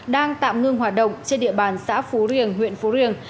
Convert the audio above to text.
đang tạm ngưng hoạt động trên địa bàn xã phú riềng huyện phú riềng